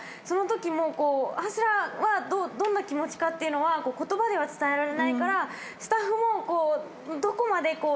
そのときもハスラーはどんな気持ちかっていうのは言葉では伝えられないからスタッフもどこまで。